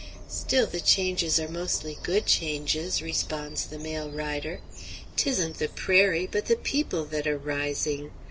"Still, the changes are mostly good changes," responds the male rider. "'Tisn't the prairie, but the people that are rising.